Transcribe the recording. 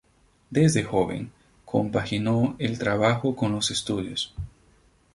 Desde joven compaginó el trabajo con los estudios.